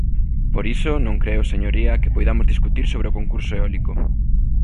Por iso, non creo, señoría, que poidamos discutir sobre o concurso eólico.